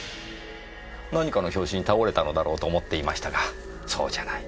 何かの拍子に倒れたのだろうと思っていましたがそうじゃない。